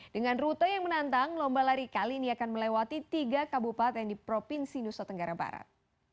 dengan rute yang menantang lomba lari kali ini akan melewati tiga kabupaten di provinsi nusa tenggara barat